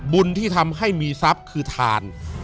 บุญที่ทำให้มีทรัพย์คือทาน